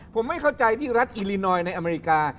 ผมไม่เข้าใจที่รัฐอิลินอยในอเมริกา